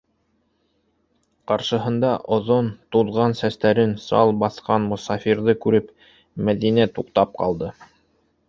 Ҡаршыһында оҙон, туҙған сәстәрен сал баҫҡан мосафирҙы күреп, Мәҙинә туҡтап ҡалды.